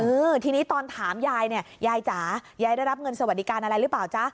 เออทีนี้ตอนถามยายเนี่ยยายจ๋ายายได้รับเงินสวัสดิการอะไรหรือเปล่าจ๊ะ